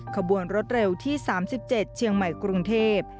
ขบวนรถเร็วที่๓๗เชียงใหม่กรุงเทพ